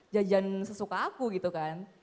jajan sesuka aku gitu kan